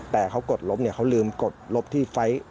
แต่เขากดลบเนี่ยเขาลืมกดลบที่ไฟล์